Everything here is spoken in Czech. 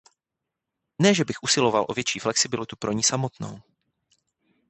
Ne že bych usiloval o větší flexibilitu pro ni samotnou.